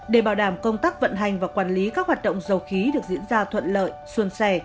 để bảo đảm công tác vận hành và quản lý các hoạt động dầu khí được diễn ra thuận lợi xuân xẻ